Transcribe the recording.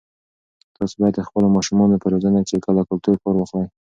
تاسي باید د خپلو ماشومانو په روزنه کې له کلتور کار واخلئ.